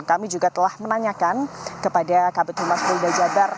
kami juga telah menanyakan kepada kabit humas polda jabar